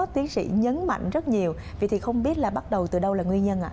tiến sĩ nhấn mạnh rất nhiều vì không biết là bắt đầu từ đâu là nguyên nhân